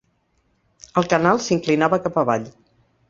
El canal s'inclinava cap avall.